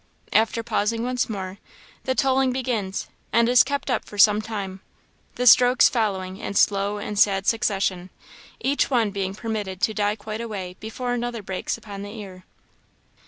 After pausing once more, the tolling begins, and is kept up for some time; the strokes following in slow and sad succession, each one being permitted to die quite away before another breaks upon the ear.